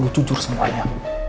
lo jujur semuanya